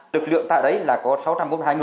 lực lượng tại đấy là có sáu trăm bốn mươi hai người